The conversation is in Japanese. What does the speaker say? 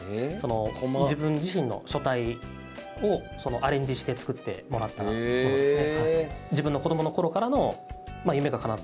自分自身の書体をアレンジして作ってもらったものですね。